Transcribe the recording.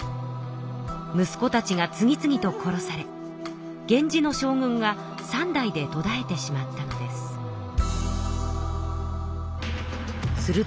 息子たちが次々と殺され源氏の将軍が３代でとだえてしまったのです。